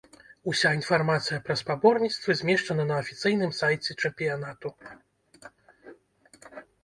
Уся інфармацыя пра спаборніцтвы змешчана на афіцыйным сайце чэмпіянату.